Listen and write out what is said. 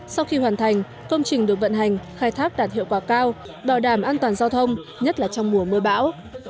sau khi hoàn thành công trình được vận hành khai thác đạt hiệu quả cao bảo đảm an toàn giao thông nhất là trong mùa mưa bão